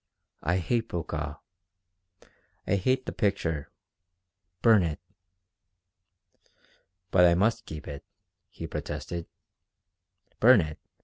I hate Brokaw. I hate the picture. Burn it." "But I must keep it," he protested. "Burn it!